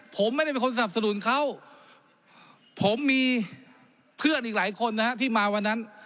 ผมไม่ได้เป็นคนสนับสนุนเขาผมมีเพื่อนอีกหลายคนนะฮะที่มาวันนั้น